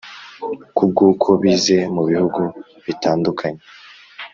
kubw’ uko bize mubihugu bitandukanye.